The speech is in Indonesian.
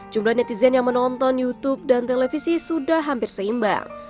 jumlah netizen yang menonton youtube dan televisi sudah hampir seimbang